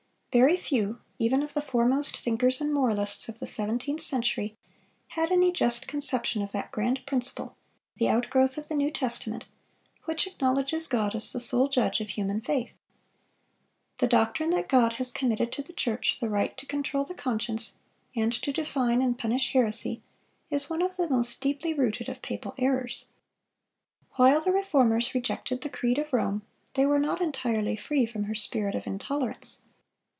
"Very few, even of the foremost thinkers and moralists of the seventeenth century, had any just conception of that grand principle, the outgrowth of the New Testament, which acknowledges God as the sole judge of human faith."(438) The doctrine that God has committed to the church the right to control the conscience, and to define and punish heresy, is one of the most deeply rooted of papal errors. While the Reformers rejected the creed of Rome, they were not entirely free from her spirit of intolerance.